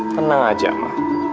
tenang aja ma